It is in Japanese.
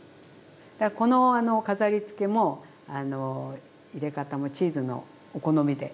この飾りつけも入れ方もチーズもお好みで。